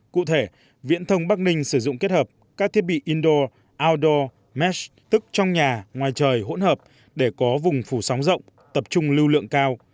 cụ thể viễn thông bắc ninh sử dụng kết hợp các thiết bị indo ondor mart tức trong nhà ngoài trời hỗn hợp để có vùng phủ sóng rộng tập trung lưu lượng cao